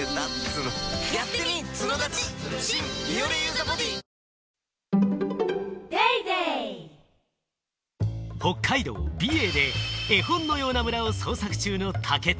三菱電機北海道・美瑛で絵本のような村を捜索中の武田。